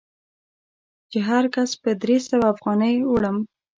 چې هر کس په درې سوه افغانۍ وړم.